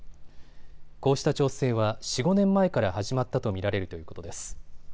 こうした調整は４、５年前から始まったと見られるということです。